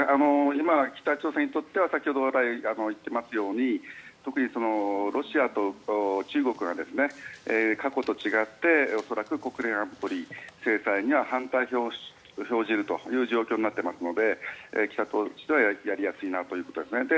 今、北朝鮮にとっては先ほど来言っていますように特にロシアと中国が過去と違って恐らく国連安保理制裁には反対票を投じるという状況になっていますので北としてはやりやすいなということですね。